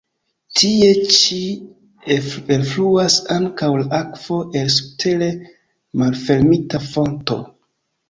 Tie ĉi elfluas ankaŭ la akvo el subtere malfermita fonto.